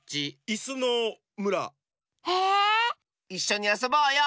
いっしょにあそぼうよ。